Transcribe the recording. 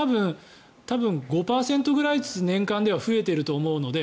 多分、５％ぐらいずつ年間では増えていると思うので。